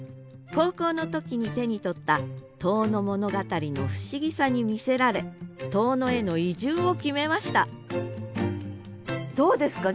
高校の時に手に取った「遠野物語」の不思議さに魅せられ遠野への移住を決めましたどうですか？